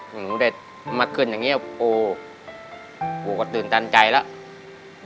หนูได้มาขึ้นอย่างนี้ปูปูก็ตื่นตันใจแล้ว